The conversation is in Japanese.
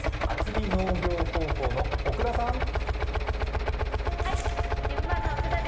渥美農業高等学校の奥田さん。